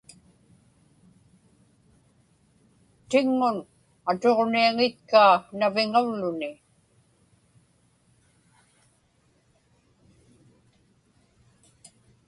Tiŋŋun atuġniaŋitkaa naviŋavluni.